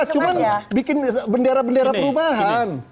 cuma bikin bendera bendera perubahan